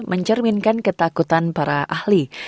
mencerminkan ketakutan para ahli